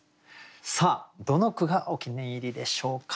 さあどの句がお気に入りでしょうか。